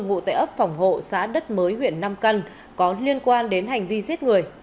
ngụ tệ ấp phòng hộ xã đất mới huyện nam cần có liên quan đến hành vi giết người